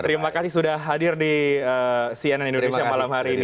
terima kasih sudah hadir di cnn indonesia malam hari ini